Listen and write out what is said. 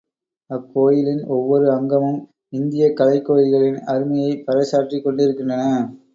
அக் கோயிலின் ஒவ்வொரு அங்கமும் இந்தியக் கலைக் கோயில்களின் அருமையைப் பறை சாற்றிக் கொண்டிருக்கின்றன.